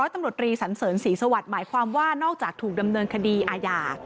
ตำรวจรีสันเสริญศรีสวรรค์หมายความว่านอกจากถูกดำเนินคดีอาญา